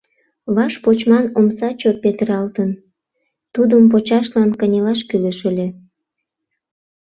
Ваш почман омса чот петыралтын, тудым почашлан кынелаш кӱлеш ыле.